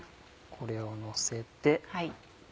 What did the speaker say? これをのせて。